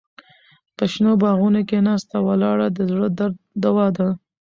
په شنو باغونو کې ناسته ولاړه د زړه درد دوا ده.